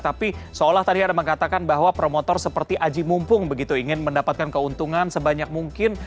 tapi seolah tadi ada mengatakan bahwa promotor seperti aji mumpung begitu ingin mendapatkan keuntungan sebanyak mungkin